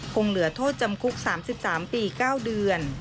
คงเหลือโทษจำคุก๓๓ปี๙เดือน